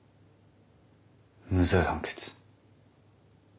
無罪判決。